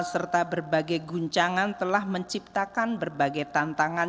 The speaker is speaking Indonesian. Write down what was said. serta berbagai guncangan telah menciptakan berbagai tantangan